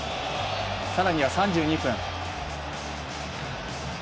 さらには３２分。